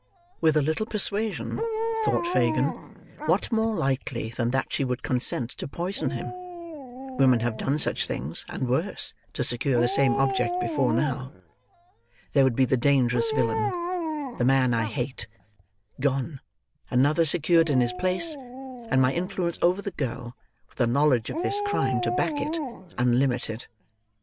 "With a little persuasion," thought Fagin, "what more likely than that she would consent to poison him? Women have done such things, and worse, to secure the same object before now. There would be the dangerous villain: the man I hate: gone; another secured in his place; and my influence over the girl, with a knowledge of this crime to back it, unlimited."